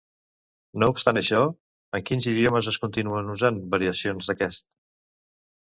No obstant això, en quins idiomes es continuen usant variacions d'aquest?